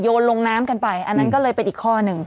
ลงน้ำกันไปอันนั้นก็เลยเป็นอีกข้อหนึ่ง